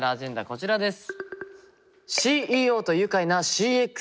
こちらです。